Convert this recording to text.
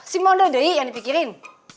si model deh yang dipikirin